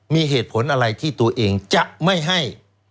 มีเหตุผลอะไรที่ตัวเองจะไม่ให้